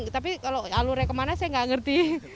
tapi kalau alurnya kemana saya nggak ngerti